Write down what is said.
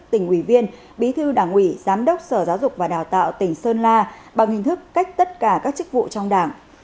tỉnh ủy viên bí thư đảng ủy giám đốc sở giáo dục và đào tạo tỉnh sơn la bằng hình thức cách tất cả các chức vụ trong đảng